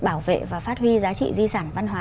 bảo vệ và phát huy giá trị di sản văn hóa